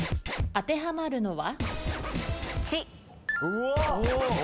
当てはまるのは？